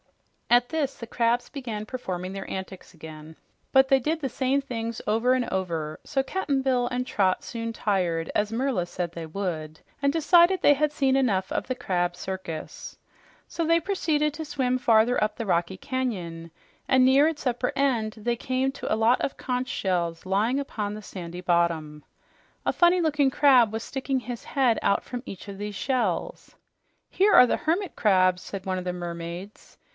At this the crabs began performing their antics again, but they did the same things over and over, so Cap'n Bill and Trot soon tired, as Merla said they would, and decided they had seen enough of the crab circus. So they proceeded to swim farther up the rocky canyon, and near its upper end they came to a lot of conch shells lying upon the sandy bottom. A funny looking crab was sticking his head out from each of these shells. "These are the hermit crabs," said one of the mermaids.